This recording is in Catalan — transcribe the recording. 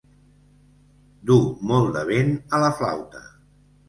Dur molt de vent a la flauta.